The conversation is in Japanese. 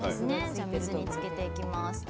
じゃ水につけていきます。